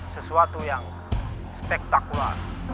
sesuatu yang spektakular